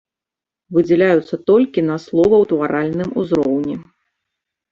Выдзяляюцца толькі на словаўтваральным узроўні.